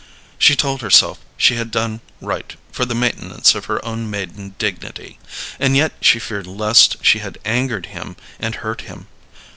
She told herself she had done right for the maintenance of her own maiden dignity, and yet she feared lest she had angered him and hurt him.